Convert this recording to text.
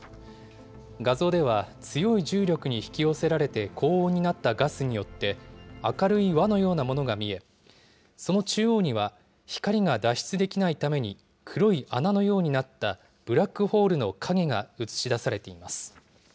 画像では強い重力に引き寄せられて高温になったガスによって、明るい輪のようなものが見え、その中央には光が脱出できないために黒い穴のようになったブラックホールの影が映し出されています。